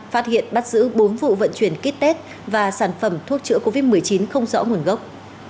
phát hiện bắt giữ bốn vụ vận chuyển kýt test và sản phẩm thuốc chữa covid một mươi chín không rõ nguồn gốc